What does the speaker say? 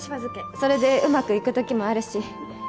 それでうまくいく時もあるし。